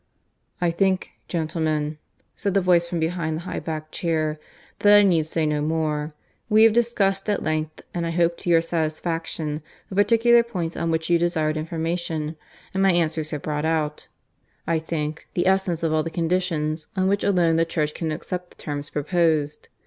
... "I think, gentlemen," said the voice from behind the high backed chair, "that I need say no more. We have discussed at length, and I hope to your satisfaction, the particular points on which you desired information: and my answers have brought out, I think, the essence of all the conditions on which alone the Church can accept the terms proposed.